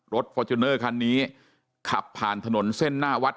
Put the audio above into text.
ฟอร์จูเนอร์คันนี้ขับผ่านถนนเส้นหน้าวัด